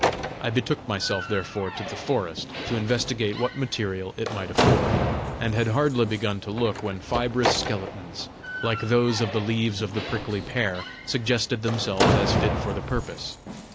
I betook myself therefore to the forest, to investigate what material it might afford, and had hardly begun to look when fibrous skeletons, like those of the leaves of the prickly pear, suggested themselves as fit for the purpose.